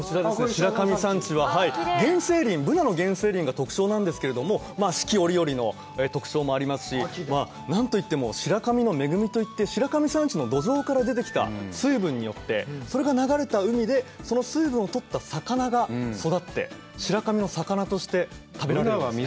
白神山地はブナの原生林が特徴なんですけれども四季折々の特徴もありますしなんといっても白神の恵みといって白神山地の土壌から出てきた水分によってそれが流れた海でその水分をとった魚が育って白神の魚として食べられるんですね